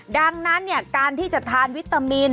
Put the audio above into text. ดังนั้นการที่จะทานวิตามิน